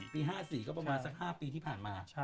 ปี๕๔ก็ประมาณสัก๕ปีที่ผ่านมา